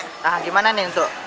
nah gimana nih untuk